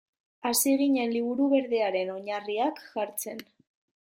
Hasi ginen Liburu Berdearen oinarriak jartzen.